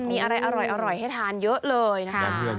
มีอะไรอร่อยให้ทานเยอะเลยนะคะ